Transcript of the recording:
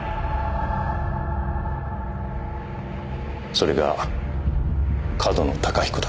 それが上遠野隆彦だった。